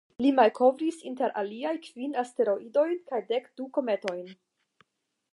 Li malkovris inter aliaj kvin asteroidojn kaj dek du kometojn.